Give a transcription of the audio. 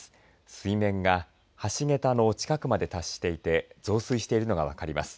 水面は橋桁の近くまで達していて増水しているのが分かります。